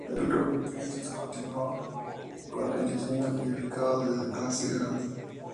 El Ruby Princess continuó con el diseño modificado de la clase "Grand".